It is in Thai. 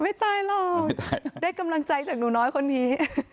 ไม่ตายหรอกได้กำลังใจจากหนูน้อยคนนี้